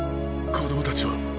子供たちは？